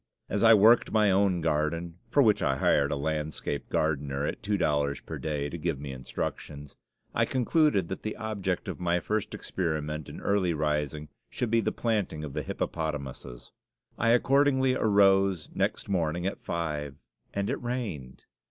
As I worked my own garden (for which I hired a landscape gardener at two dollars per day to give me instructions), I concluded that the object of my first experiment in early rising should be the planting of the hippopotamuses. I accordingly arose next morning at five, and it rained!